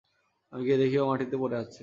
আমি গিয়ে দেখি ও মাটিতে পড়ে আছে।